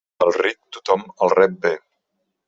Al ric, tothom el rep bé.